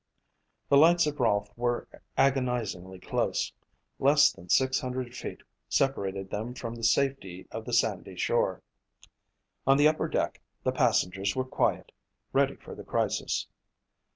The lights of Rolfe were agonizingly close. Less than six hundred feet separated them from the safety of the sandy shore. On the upper deck the passengers were quiet, ready for the crisis.